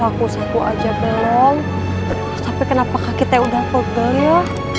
laku laku aja belum tapi kenapa kita udah pebel ya